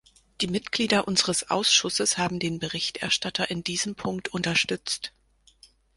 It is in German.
Die Mitglieder unseres Ausschusses haben den Berichterstatter in diesem Punkt unterstützt.